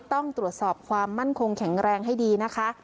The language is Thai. ต้องตรวจสอบความมั่นคงแข็งแรงให้ดีนะคะ